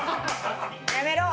やめろ。